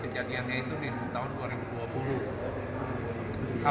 kejadiannya itu di tahun dua ribu dua puluh